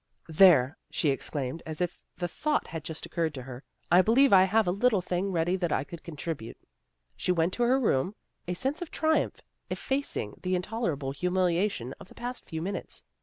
" There! " she exclaimed as if the thought had just occurred to her. " I believe I have a little thing ready that I could contribute." She went to her room, a sense of triumph effa cing the intolerable humiliation of the past few minutes.